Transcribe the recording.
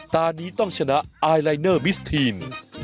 ตอนนี้ต้องชนะไอลายเนอร์มิสทีน